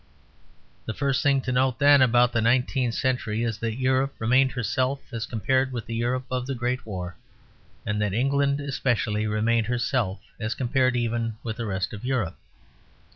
The first thing to note, then, about the nineteenth century is that Europe remained herself as compared with the Europe of the great war, and that England especially remained herself as compared even with the rest of Europe.